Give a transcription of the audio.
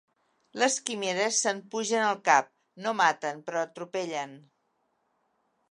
Les quimeres se'n pugen al cap; no maten, però atropellen.